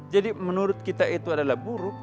jadi menurut kita itu adalah buruk